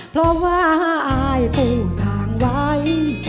เพราะว่าอายปูทางไว้